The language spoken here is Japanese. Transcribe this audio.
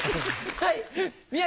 はい。